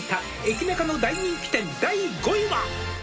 「駅ナカの大人気店第５位は？」